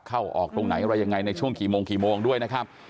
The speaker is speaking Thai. เข้าออกตรงไหนวัยังไงในช่วงกี่โมงด้วยนะครับ